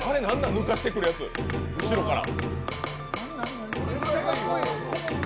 抜かしてくるやつ、後ろから。